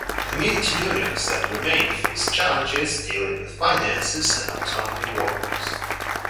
Community unions that remained faced challenges dealing with finances and autonomy workers.